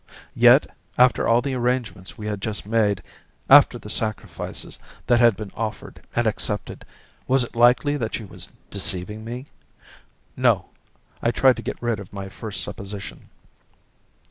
Yet, after all the arrangements we had just made, after the sacrifices that had been offered and accepted, was it likely that she was deceiving me? No. I tried to get rid of my first supposition.